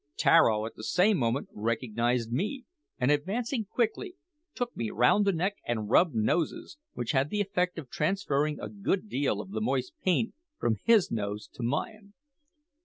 Tararo at the same moment recognised me, and advancing quickly, took me round the neck and rubbed noses, which had the effect of transferring a good deal of the moist paint from his nose to mine.